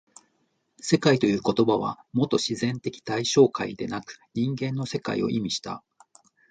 「世界」という言葉はもと自然的対象界でなく人間の世界を意味した。